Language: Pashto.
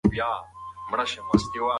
پوهه تر هر څه لویه شتمني ده.